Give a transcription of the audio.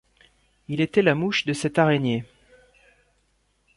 Il était la mouche de cette araignée.